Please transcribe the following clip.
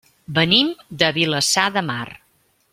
Venim de Vilassar de Mar.